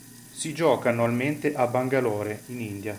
Si gioca annualmente a Bangalore in India.